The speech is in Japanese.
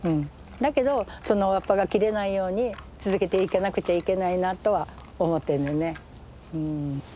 だけどその輪っぱが切れないように続けていかなくちゃいけないなとは思ってるのよねうん。